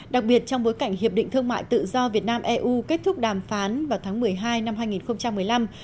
đặc biệt trong bối cảnh hiệp định thương mại tự do việt nam eu kết thúc đàm phán vào tháng một mươi hai năm hai nghìn một mươi năm